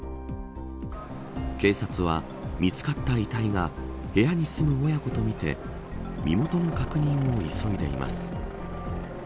警察は、見つかった遺体が部屋に住む親子とみて身元の確認を急いでいます。